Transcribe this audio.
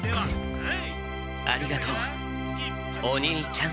ありがとうお兄ちゃん。